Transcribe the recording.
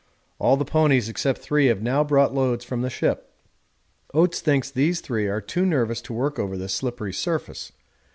All the ponies except three have now brought loads from the ship. Oates thinks these three are too nervous to work over this slippery surface.